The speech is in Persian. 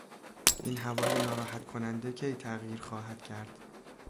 این هوای ناراحت کننده کی تغییر خواهد کرد؟